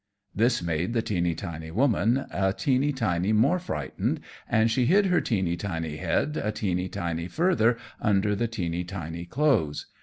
This made the teeny tiny woman a teeny tiny more frightened, and she hid her teeny tiny head a teeny tiny further under the teeny tiny clothes.